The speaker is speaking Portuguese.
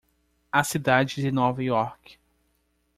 A cidade de Nova York.